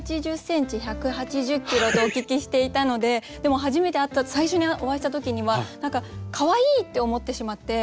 １８０ｃｍ１８０ｋｇとお聞きしていたのででも初めて会った最初にお会いした時には何かかわいい！って思ってしまって。